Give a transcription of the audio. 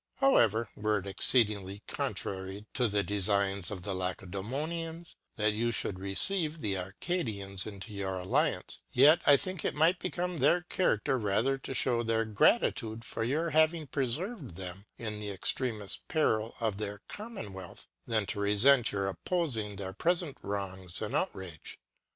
However, were it exceedingly contrary to the Defigns of the Lacedaemonians, that you fhould receive the Arcadians into your Alliance, yet, I think it might become their Chara6ler rather to fhew their Gratitude for your having preferved them in the extremeft Peril of their Commonwealth, than to refent your oppoling their prefent Wrongs and Outrage.